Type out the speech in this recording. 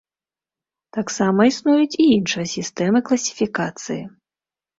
Таксама існуюць і іншыя сістэмы класіфікацыі.